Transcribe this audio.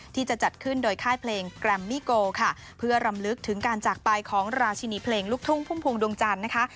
ที่จะจัดขึ้นโดยค่ายเพลงแกรมมี่โกค่ะเพื่อรำลึกถึงการจากไปของราชินีเพลงลูกทุ่งพุ่มพวงดวงจันทร์นะคะ